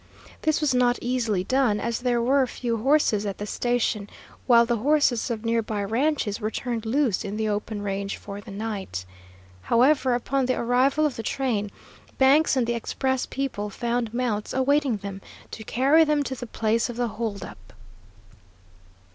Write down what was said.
This was not easily done, as there were few horses at the station, while the horses of near by ranches were turned loose in the open range for the night. However, upon the arrival of the train, Banks and the express people found mounts awaiting them to carry them to the place of the hold up.